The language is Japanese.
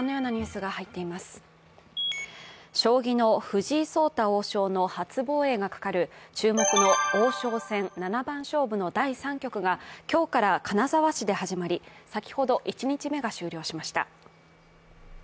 将棋の藤井聡太王将の初防衛がかかる注目の王将戦七番勝負の第３局が今日から金沢市で始まり先ほど１日目が終了しました。